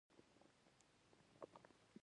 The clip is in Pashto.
ښوونکي د پرمختګ د څارنې لپاره معیارونه ټاکل.